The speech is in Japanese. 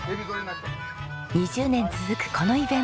２０年続くこのイベント。